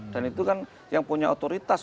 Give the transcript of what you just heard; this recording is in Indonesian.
dan itu kan yang punya otoritas